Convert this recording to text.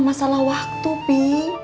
masalah waktu pi